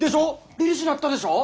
りりしなったでしょ？